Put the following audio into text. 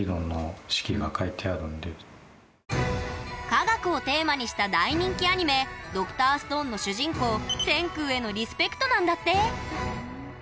科学をテーマにした大人気アニメ「Ｄｒ．ＳＴＯＮＥ」の主人公千空へのリスペクトなんだって！